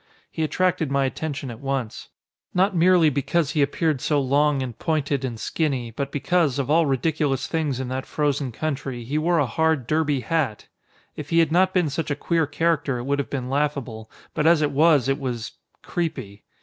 He attracted my attention at once. Not merely because he appeared so long and pointed and skinny, but because, of all ridiculous things in that frozen country, he wore a hard derby hat! If he had not been such a queer character it would have been laughable, but as it was it was creepy.